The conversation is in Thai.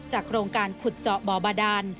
โครงการขุดเจาะบ่อบาดาน